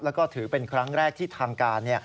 แล้วก็ถือเป็นครั้งแรกที่ทางการ